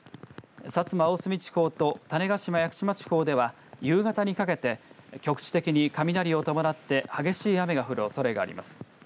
薩摩、大隅地方と種子島・屋久島地方では夕方にかけて局地的に雷を伴って激しい雨が降るおそれがあります。